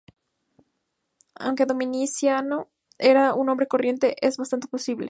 Aunque Domiciano era un nombre corriente, es bastante posible.